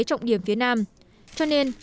trọng điểm phía nam cho nên